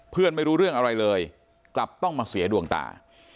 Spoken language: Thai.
ไม่รู้เรื่องอะไรเลยกลับต้องมาเสียดวงตา